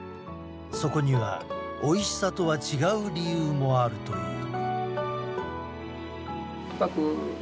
そこには、おいしさとは違う理由もあるという。